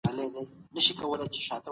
د سوداګرۍ پراختیا د ټولو په ګټه ده.